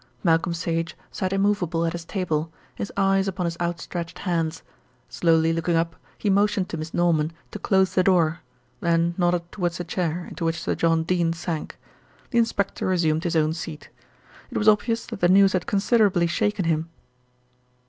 Malcolm Sage sat immovable at his table, his eyes upon his outstretched hands. Slowly looking up he motioned to Miss Norman to close the door, then nodded towards a chair into which Sir John Dene sank. The inspector resumed his own seat. It was obvious that the news had considerably shaken him.